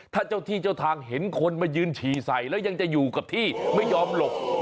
ถ้าเจ้าที่เจ้าทางเห็นคนมายืนฉี่ใส่แล้วยังจะอยู่กับที่ไม่ยอมหลบ